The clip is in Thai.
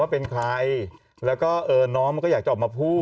เป็นใครแล้วก็น้องมันก็อยากจะออกมาพูด